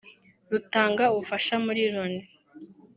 rutanga ubufasha muri Loni